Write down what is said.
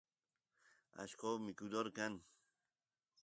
allqo mikudor kan